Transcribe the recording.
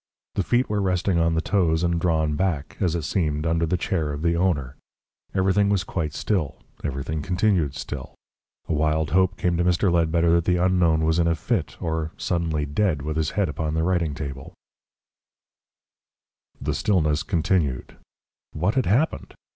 The feet were resting on the toes and drawn back, as it seemed, under the chair of the owner. Everything was quite still, everything continued still. A wild hope came to Mr. Ledbetter that the unknown was in a fit or suddenly dead, with his head upon the writing table.... The stillness continued. What had happened?